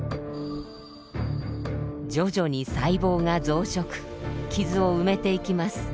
徐々に細胞が増殖傷を埋めていきます。